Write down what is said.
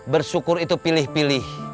bersyukur itu pilih pilih